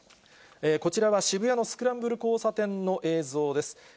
こちらは渋谷のスクランブル交差点の映像です。